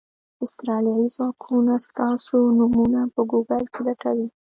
اسرائیلي ځواکونه ستاسو نومونه په ګوګل کې لټوي.